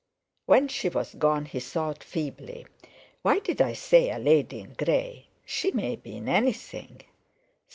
When she was gone, he thought feebly: "Why did I say a lady in grey—she may be in anything.